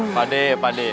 pak d ya pak d